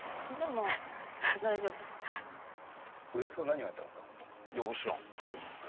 上田さんは何をやったんですか？